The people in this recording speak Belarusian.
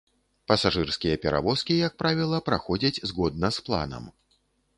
Пасажырскія перавозкі, як правіла, праходзяць згодна з планам.